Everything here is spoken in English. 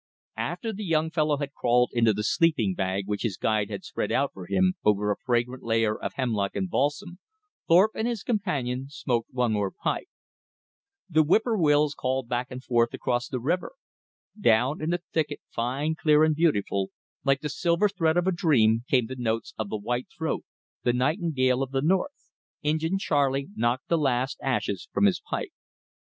After the young fellow had crawled into the sleeping bag which his guide had spread for him over a fragrant layer of hemlock and balsam, Thorpe and his companion smoked one more pipe. The whip poor wills called back and forth across the river. Down in the thicket, fine, clear, beautiful, like the silver thread of a dream, came the notes of the white throat the nightingale of the North. Injin Charley knocked the last ashes from his pipe.